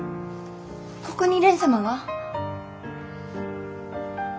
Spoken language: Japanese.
ここに蓮様が？